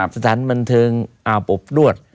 สถานบนเถิงอาปบฤทธิ์ด้วย